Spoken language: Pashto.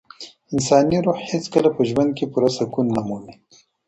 انساني روح هیڅکله په ژوند کي پوره سکون نه مومي.